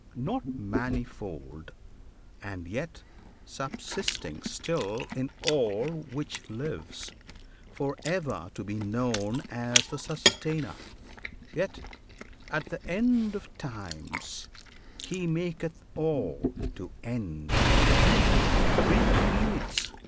Not manifold, and yet subsisting still In all which lives; for ever to be known As the Sustainer, yet, at the End of Times, He maketh all to end and re creates.